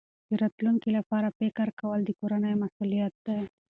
د راتلونکي لپاره فکر کول د کورنۍ مسؤلیت دی.